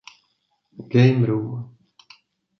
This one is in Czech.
Game Room.